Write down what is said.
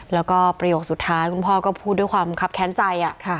แล้วก็ประโยคสุดท้ายคุณพ่อก็พูดด้วยความคับแค้นใจ